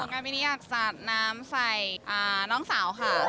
ส่วนการพี่นี้อยากสาดน้ำใส่น้องสาวค่ะ